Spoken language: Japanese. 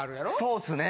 そうっすね。